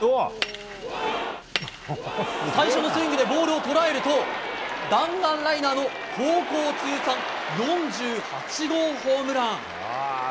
最初のスイングでボールを捉えると弾丸ライナーの高校通算４８号ホームラン。